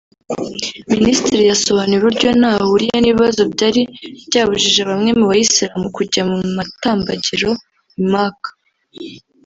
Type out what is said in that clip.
Minisitiri yasobanuye uburyo ntaho ahuriye n’ibibazo byari byabujije bamwe mu Bayisilamu kujya mu mutambagiro i Maka